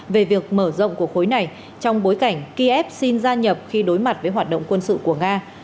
về việc mở rộng của khối này trong bối cảnh kiev xin gia nhập khi đối mặt với hoạt động quân sự của nga